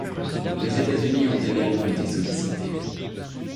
Les États-Unis ont également été sollicités.